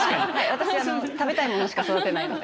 私食べたいものしか育てないので。